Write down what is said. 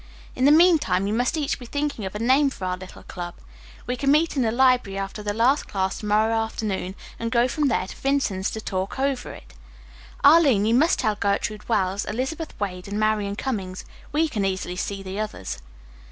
In the meantime you must each be thinking of a name for our little club. We can meet in the library after the last class to morrow afternoon, and go from there to Vinton's to talk it over. Arline, you must tell Gertrude Wells, Elizabeth Wade and Marian Cummings. We can easily see the others."